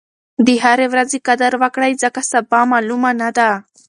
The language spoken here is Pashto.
د هرې ورځې قدر وکړئ ځکه سبا معلومه نه ده.